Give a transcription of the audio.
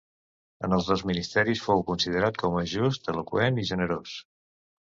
En els dos ministeris fou considerat com just, eloqüent i generós.